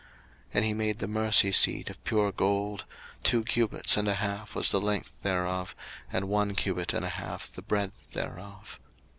02:037:006 And he made the mercy seat of pure gold: two cubits and a half was the length thereof, and one cubit and a half the breadth thereof.